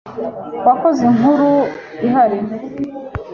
Wakoze inkuru ihari.